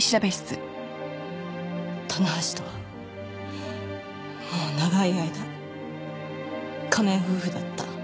棚橋とはもう長い間仮面夫婦だった。